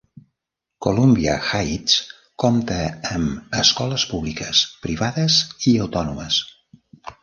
Columbia Heights compta amb escoles públiques, privades i autònomes.